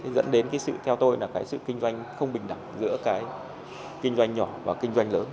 dẫn đến sự kinh doanh không bình đẳng giữa kinh doanh nhỏ và kinh doanh lớn